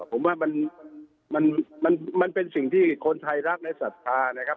ผมว่ามันเป็นสิ่งที่คนไทยรักในศรัทธานะครับ